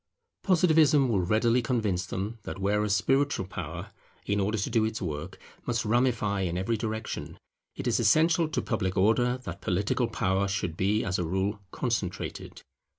Positivism will readily convince them that whereas spiritual power, in order to do its work, must ramify in every direction, it is essential to public order that political power should be as a rule concentrated.